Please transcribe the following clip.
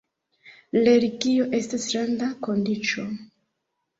Religio estas randa kondiĉo.